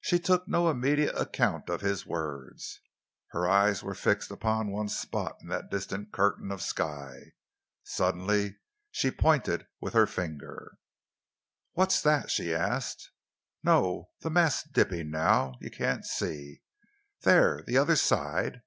She took no immediate account of his words. Her eyes were fixed upon one spot in that distant curtain of sky. Suddenly she pointed with her finger. "What's that?" she asked. "No, the mast's dipping now you can't see. There the other side."